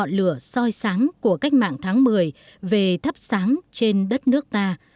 trong một lửa soi sáng của cách mạng tháng một mươi về thắp sáng trên đất nước ta